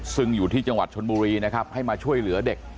ซึ่งอยู่ที่จังหวัดชนบุรีนะครับให้มาช่วยเหลือเด็ก